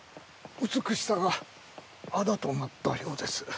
美しさがあだとなったようです。